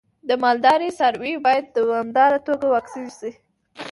د مالدارۍ څاروی باید په دوامداره توګه واکسین شي.